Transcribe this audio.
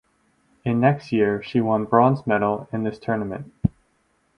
In next year she won bronze medal in this tournament.